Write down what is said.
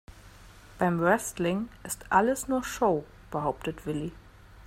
Beim Wrestling ist alles nur Show, behauptet Willi.